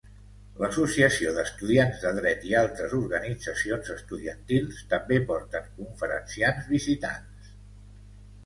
L'Associació d'estudiants de dret i altres organitzacions estudiantils també porten conferenciants visitants.